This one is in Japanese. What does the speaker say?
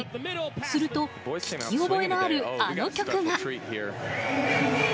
すると、聞き覚えのあるあの曲が。